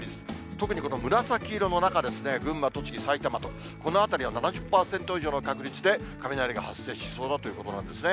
特にこの紫色の中ですね、群馬、栃木、埼玉と、この辺りは７０％以上の確率で雷が発生しそうだということなんですね。